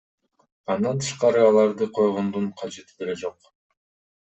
Андан тышкары аларды койгондун кажети деле жок.